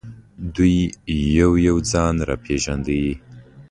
دوی یو یو ځان را پېژانده.